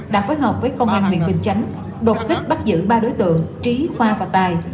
đã phối hợp với công an huyện bình chánh đột kích bắt giữ ba đối tượng trí khoa và tài